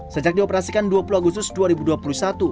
sejak dioperasikan dua puluh agustus dua ribu dua puluh satu